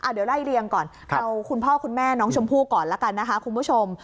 เดี๋ยวไล่เรียงก่อนเอาคุณพ่อคุณแม่น้องชมพู่ก่อนแล้วกันนะคะคุณผู้ชม